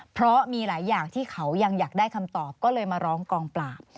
เพราะมีหลายอย่างที่เขายังอยากได้คำตอบก็เลยมาร้องกองปราบ